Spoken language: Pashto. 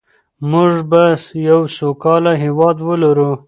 موږ به یو سوکاله هېواد ولرو.